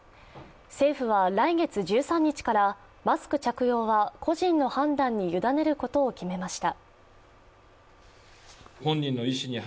政府は来月１３日からマスク着用は個人の判断に委ねることを決めました。